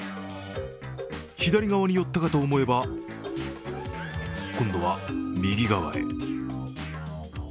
左側に寄ったかと思えば今度は右側へ。